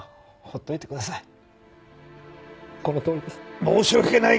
ほっといてくださいよ！